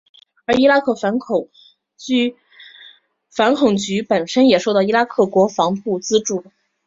而伊拉克反恐局本身也受到伊拉克国防部资助。